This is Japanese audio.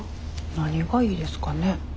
何がいいですかね。